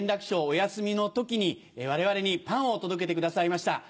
お休みの時に我々にパンを届けてくださいました。